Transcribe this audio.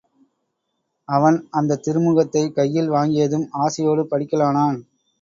அவன் அந்தத் திருமுகத்தைக் கையில் வாங்கியதும் ஆசையோடு படிக்கலானான்.